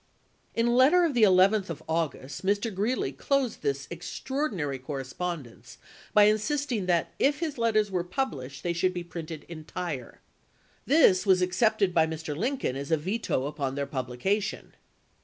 In a letter of the 11th of August, Mr. Greeley laa. closed this extraordinary correspondence by insist ing that if his letters were published they should be printed entire. This was accepted by Mr. Lincoln as a veto upon their publication.